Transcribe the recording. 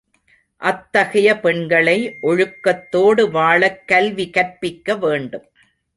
அத்தகைய பெண்களை ஒழுக்கத்தோடு வாழக் கல்விகற்பிக்க வேண்டும்.